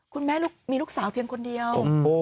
คุณแม่มีลูกสาวเพียงคนเดียว